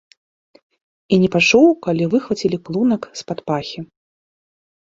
І не пачуў, калі выхвацілі клунак з-пад пахі.